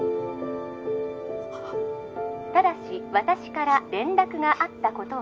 ☎ただし私から連絡があったことは